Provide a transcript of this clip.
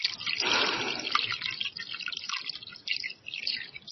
Es más fácil su instalación en obra y más resistentes que la madera natural.